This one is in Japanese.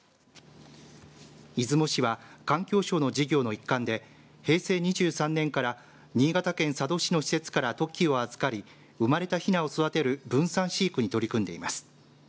出雲市は環境省の事業の一環で平成２３年から新潟県佐渡市の施設からトキを預かり生まれたひなを育てる分散飼育に取り組んでいます。